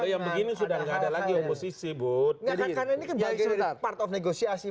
kalau yang begini sudah nggak ada lagi oposisi bud